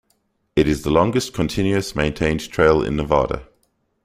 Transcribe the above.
It is the longest continuous maintained trail in Nevada.